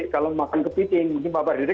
kalau makan kepiting mungkin bapak didik